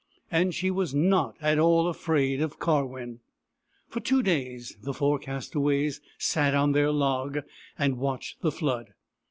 And she was not at all afraid of Karwin. For two days the four castaways sat on their log and watched the flood.